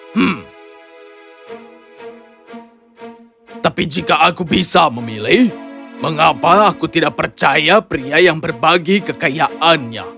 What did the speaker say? hmm tapi jika aku bisa memilih mengapa aku tidak percaya pria yang berbagi kekayaannya